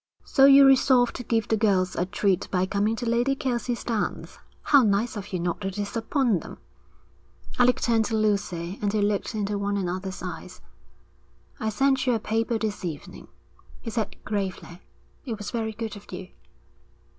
'So you resolved to give the girls a treat by coming to Lady Kelsey's dance? How nice of you not to disappoint them!' Alec turned to Lucy, and they looked into one another's eyes. 'I sent you a paper this evening,' he said gravely. 'It was very good of you.'